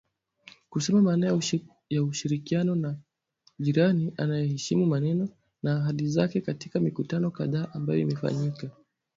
kusema maana ya ushirikiano na jirani anayeheshimu maneno na ahadi zake katika mikutano kadhaa ambayo imefanyika”